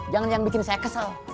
jangan yang bikin saya kesal